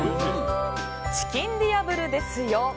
チキンディアブルですよ！